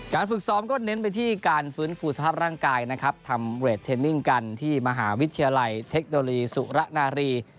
ฝึกซ้อมก็เน้นไปที่การฟื้นฟูสภาพร่างกายนะครับทำเรทเทนนิ่งกันที่มหาวิทยาลัยเทคโนโลยีสุระนารี